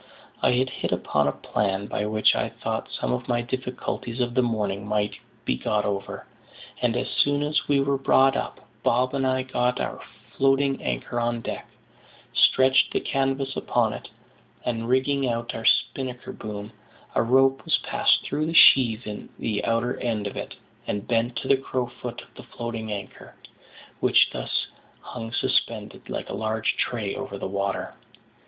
I had hit upon a plan by which, I thought, some of my difficulties of the morning might be got over; and, as soon as we were brought up, Bob and I got our floating anchor on deck, stretched the canvas upon it, and rigging out our spinnaker boom, a rope was passed through the sheave in the outer end of it, and bent to the crowfoot of the floating anchor, which thus hung suspended, like a large tray, over the water.